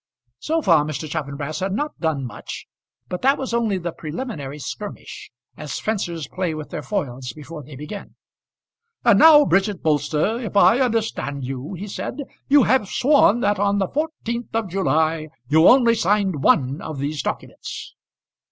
So far Mr. Chaffanbrass had not done much; but that was only the preliminary skirmish, as fencers play with their foils before they begin. "And now, Bridget Bolster, if I understand you," he said, "you have sworn that on the 14th of July you only signed one of these documents."